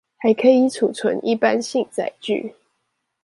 還可以儲存一般性載具